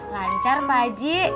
lancar pak ji